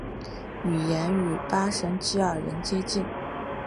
语言与巴什基尔人接近。